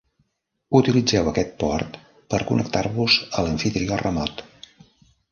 Utilitzeu aquest port per connectar-vos a l'amfitrió remot.